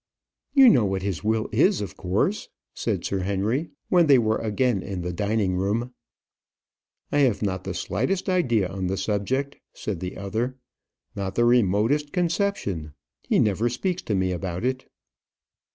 "You know what his will is, of course," said Sir Henry, when they were again in the dining room. "I have not the slightest idea on the subject," said the other; "not the remotest conception. He never speaks to me about it."